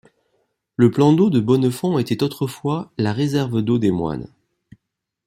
Le plan d'eau de Bonnefon était autrefois la réserve d'eau des moines.